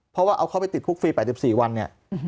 เพราะว่าเอาเขาไปติดคุกฟรี๘๔วันเนี่ย